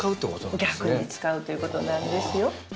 逆に使うということなんですよ